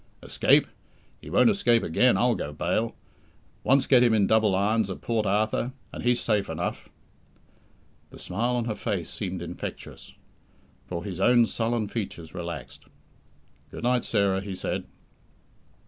"Escape! He won't escape again, I'll go bail. Once get him in double irons at Port Arthur, and he's safe enough." The smile on her face seemed infectious, for his own sullen features relaxed. "Good night, Sarah," he said.